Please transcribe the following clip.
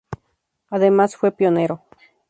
Además fue pionero.